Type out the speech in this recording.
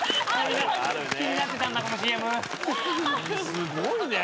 すごいね。